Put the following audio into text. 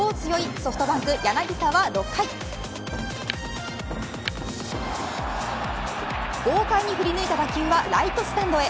ソフトバンク柳田は６回豪快に振り抜いた打球はライトスタンドへ。